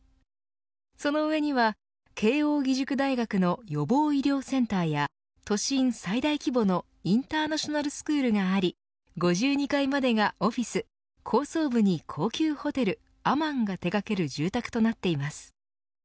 その上には、慶應義塾大学の予防医療センターや都心最大規模のインターナショナルスクールがあり５２階までがオフィス高層部に高級ホテル、アマンが手掛ける住宅となっています。